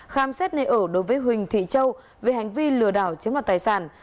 khám xét nơi ở đối với huỳnh thị châu về hành vi lừa đảo chiếm đoạt tài sản